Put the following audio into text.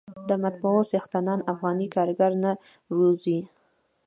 د مطبعو څښتنان افغاني کارګر نه روزي.